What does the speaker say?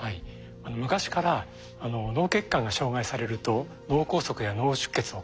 昔から脳血管が障害されると脳梗塞や脳出血を起こすと。